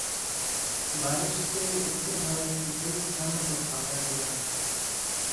बारिश से उत्तर भारत के कई स्थानों पर पारा गिरा